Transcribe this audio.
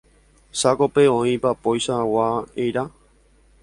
Chákope oĩ papoichagua eíra.